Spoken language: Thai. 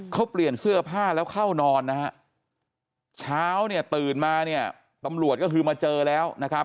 เขาเปลี่ยนเสื้อผ้าแล้วเข้านอนนะฮะเช้าเนี่ยตื่นมาเนี่ยตำรวจก็คือมาเจอแล้วนะครับ